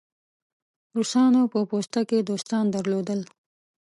روسانو په پوسته کې دوستان درلودل.